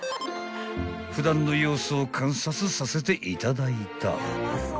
［普段の様子を観察させていただいた］